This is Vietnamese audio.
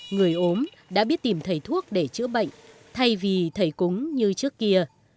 người ốm đã biết tìm thầy thuốc để chữa bệnh thay vì thầy cúng như trước kia